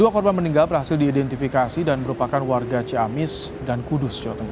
dua korban meninggal berhasil diidentifikasi dan merupakan warga ciamis dan kudus jawa tengah